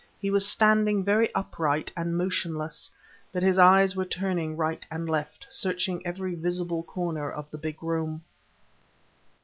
He was standing very upright and motionless, but his eyes were turning right and left, searching every visible corner of the big room.